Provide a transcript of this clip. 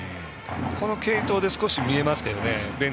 この継投で少し見えましたよね。